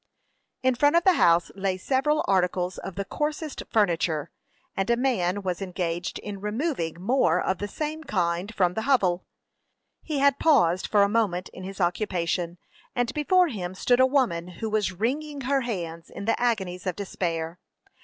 In front of the house lay several articles of the coarsest furniture, and a man was engaged in removing more of the same kind from the hovel. He had paused for a moment in his occupation, and before him stood a woman who was wringing her hands in the agonies of despair.